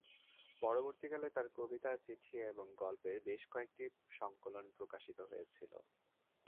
পরবর্তীকালে তার কবিতা, চিঠি এবং গল্পের বেশ কয়েকটি সংকলন প্রকাশিত হয়েছিল।